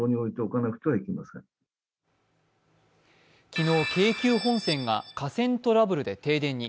昨日、京急本線が架線トラブルで停電に。